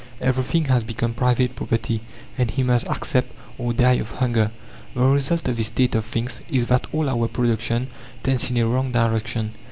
Everything has become private property, and he must accept, or die of hunger. The result of this state of things is that all our production tends in a wrong direction.